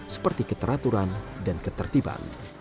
seperti keteraturan dan ketertiban